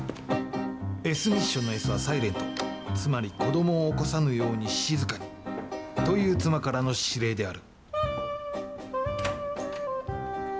ＳミッションのＳはサイレント、つまり子どもを起こさぬように、静かにという妻からの指令である。